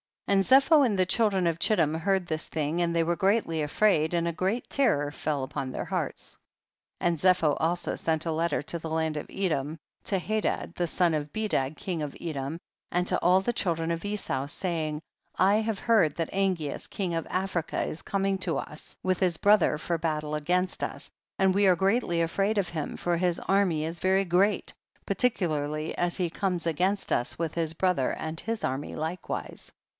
15. And Zepho and the children of Chittim heard this thing, and they were greatly afraid and a great terror fell upon their hearts. 16. And Zepho also sent a letter to the land of Edom to Hadad the son of Bedad king of Edom and to all the children of Esau, saying, 17. I have heard that Angeas king of Africa is coming to us with his brother for battle against us, and we are greatly afraid of him, for his army is very great, particularly as he comes against us with his brother and his army likewise, 18.